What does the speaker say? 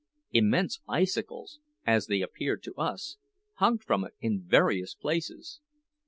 Immense icicles (as they appeared to us) hung from it in various places.